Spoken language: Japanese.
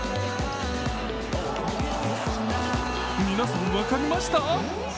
皆さん、分かりました？